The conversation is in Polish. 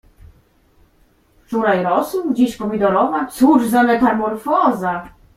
Wczoraj rosół, dziś pomidorowa; cóż za metamorfoza!